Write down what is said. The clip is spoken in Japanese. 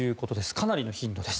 かなりの頻度です。